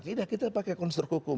tidak kita pakai konstruk hukum